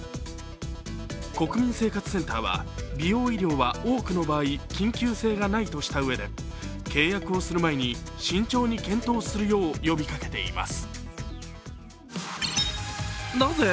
国民生活センターは美容医療は多くの場合緊急性がないとしたうえで契約をする前に慎重に検討するよう呼びかけています。